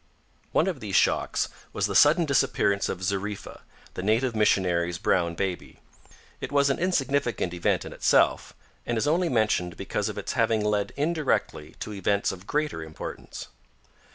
One of these shocks was the sudden disappearance of Zariffa, the native missionary's brown baby. It was an insignificant event in itself, and is only mentioned because of its having led indirectly to events of greater importance.